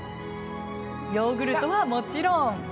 ヨーグルトはもちろん。